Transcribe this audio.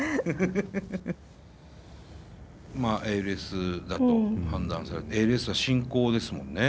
まあＡＬＳだと判断されてＡＬＳは進行ですもんね？